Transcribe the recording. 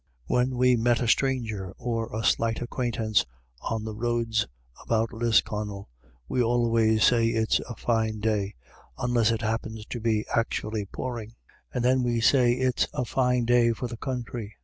When we meet a stranger or a slight acquaint ance on the roads about Lisconnel, we always say it's a fine day, unless it happens to be actually pouring, and then we say it's a fine day for tJie country.